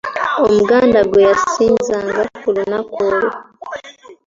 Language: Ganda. Omuganda gwe yasinzanga ku lunaku olwo.